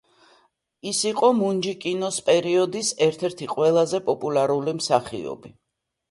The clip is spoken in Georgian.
ის იყო მუნჯი კინოს პერიოდის ერთ-ერთი ყველაზე პოპულარული მსახიობი.